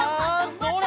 それ！